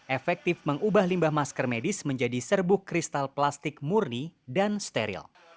efektif mengubah limbah masker medis menjadi serbuk kristal plastik murni dan steril